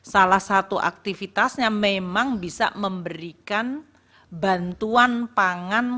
salah satu aktivitasnya memang bisa memberikan bantuan pangan